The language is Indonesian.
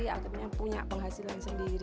akhirnya punya penghasilan sendiri